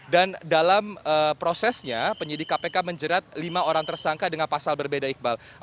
dan dalam prosesnya penyidik kpk menjerat lima orang tersangka dengan pasal berbeda iqbal